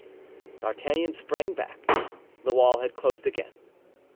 D'Artagnan sprang back; the wall had closed again.